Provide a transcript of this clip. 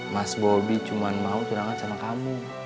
mas bobi cuma mau curangan sama kamu